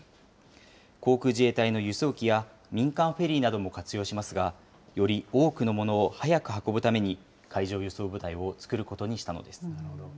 航空自衛隊の輸送機や、民間フェリーなども活用しますが、より多くのものを早く運ぶために、海上輸送部隊を作ることにしたのなるほど。